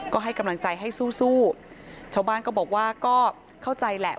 ก็ให้กำลังใจให้สู้สู้ชาวบ้านก็บอกว่าก็เข้าใจแหละ